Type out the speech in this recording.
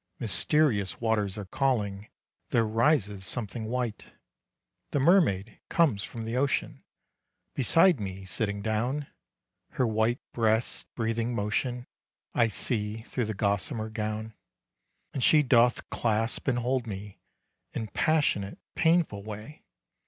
Mysterious waters are calling, There rises something white. The mermaid comes from the ocean, Beside me sitting down; Her white breast's breathing motion, I see through the gossamer gown. And she doth clasp and hold me, In passionate, painful way.